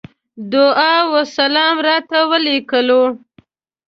دعا وسلام راته وليکلو.